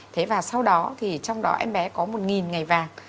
thế và sau đó thì trong đó em bé có một ngày vàng